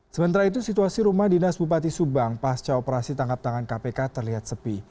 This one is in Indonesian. sementara itu situasi rumah dinas bupati subang pasca operasi tangkap tangan kpk terlihat sepi